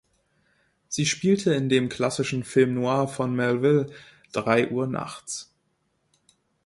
Sie spielte in dem klassischen Film noir von Melville "Drei Uhr nachts".